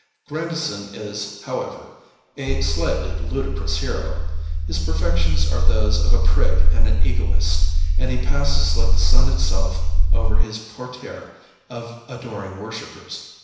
Grandison is, however, a slightly ludicrous hero. His perfections are those of a prig and an egoist, and he passes like the sun itself over his parterre of adoring worshippers.